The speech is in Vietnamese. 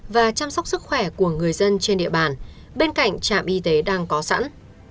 và chăm sóc sức khỏe của người dân trên địa bàn bên cạnh trạm y tế đang có sẵn